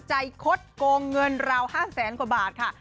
ใจคดโกงเงินราว๕แสนบาทค่ะ